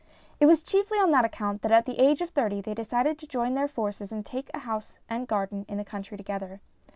It was chiefly on that account that at the age of thirty they decided to join their forces and take a house and garden in the country together.